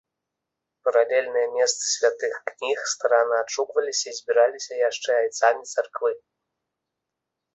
Паралельныя месцы святых кніг старанна адшукваліся і збіраліся яшчэ айцамі царквы.